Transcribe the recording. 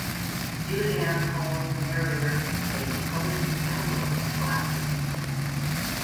Juliana calls the narrator a "publishing scoundrel" and collapses.